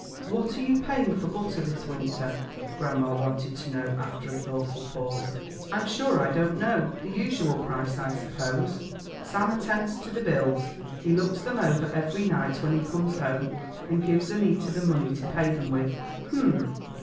"What are you paying for butter this winter?" grandma wanted to know, after a thoughtful pause. "I'm sure I don't know, the usual price, I suppose. Sam attends to the bills. He looks them over every night when he comes home, and gives Annita the money to pay them with." "Hum!"